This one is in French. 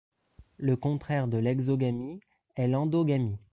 Le contraire de l'exogamie est l'endogamie.